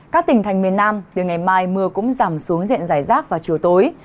các tỉnh thành miền nam từ ngày mai mưa cũng giảm xuống diện giải rác vào chiều tối